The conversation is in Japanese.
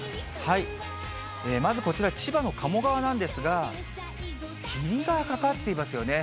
まずこちら、千葉の鴨川なんですが、霧がかかっていますよね。